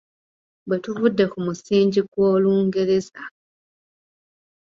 Bwe tuvudde ku musingi gwa Olungereza.